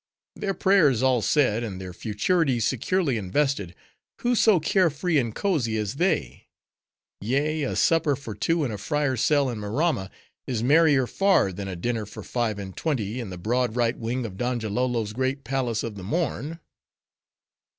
Their prayers all said, and their futurities securely invested,—who so carefree and cozy as they? Yea, a supper for two in a friar's cell in Maramma, is merrier far, than a dinner for five and twenty, in the broad right wing of Donjalolo's great Palace of the Morn."